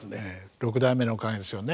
六代目のおかげですよね。